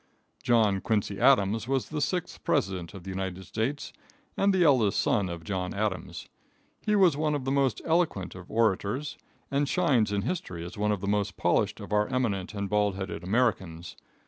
John Quincy Adams was the sixth president of the United States and the eldest son of John Adams. He was one of the most eloquent of orators, and shines in history as one of the most polished of our eminent and bald headed Americans.